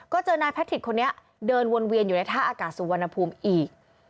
ก็เจอนายแพทิกคนนี้เดินวนเวียนอยู่ในท่าอากาศสุวรรณภูมิอีก